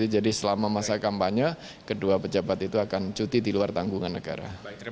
jadi selama masa kampanye kedua pejabat itu akan cuti di luar tanggungan negara